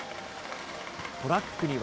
トラックには。